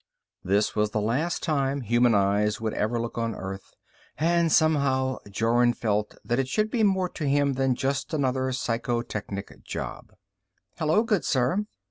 This was the last time human eyes would ever look on Earth, and somehow Jorun felt that it should be more to him than just another psychotechnic job. "Hello, good sir."